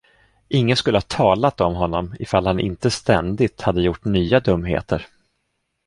Ingen skulle ha talat om honom, ifall han inte ständigt, hade gjort nya dumheter.